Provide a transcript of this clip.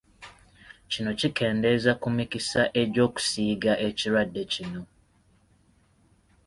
Kino kikendeeza ku mikisa egy’okusiiga ekirwadde kino.